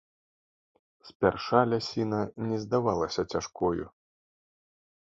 Спярша лясіна не здавалася цяжкою.